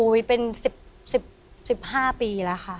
อุ้ยเป็น๑๕ปีแล้วค่ะ